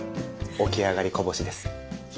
起き上がりこぼし？